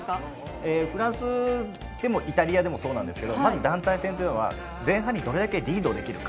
フランスでもイタリアでもそうなんですが、まず団体戦は前半にどれだけリードできるか。